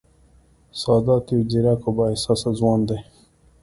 سادات یو ځېرک او با احساسه ځوان دی